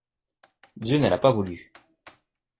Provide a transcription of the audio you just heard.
Dieu ne l'a pas voulu.